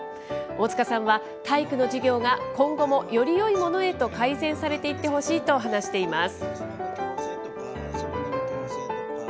大塚さんは、体育の授業が今後もよりよいものへと改善されていってほしいと話しています。